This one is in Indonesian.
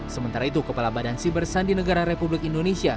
sementara itu kepala badan sibersan di negara republik indonesia